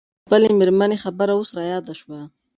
حیات الله ته د خپلې مېرمنې خبره اوس رایاده شوه.